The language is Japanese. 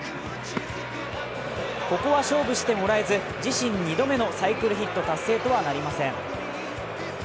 ここは勝負してもらえず、自身２度目のサイクルヒット達成とはなりません。